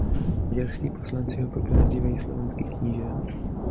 Maďarský poslanci ho proto nazývaly "Slovenský kníže".